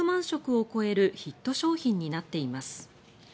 食を超えるヒット商品になっています。